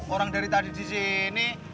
orang dari tadi di sini